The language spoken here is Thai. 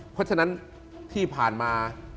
เพราะฉะนั้นที่ผ่านมา